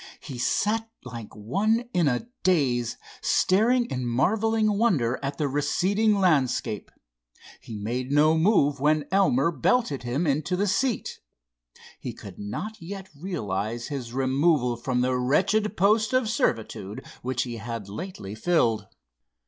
He sat like one in a daze, staring in marvelling wonder at the receding landscape. He made no move when Elmer belted him into the seat. He could not yet realize his removal from the wretched post of servitude which he had lately filled.